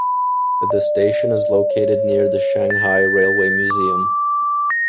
The station is located near the Shanghai Railway Museum.